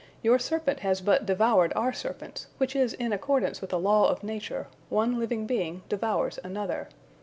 Your serpent has but devoured our serpents, which is in accordance with a law of nature, one living being devours another.